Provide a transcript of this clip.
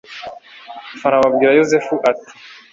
Farawo abwira Yozefu ati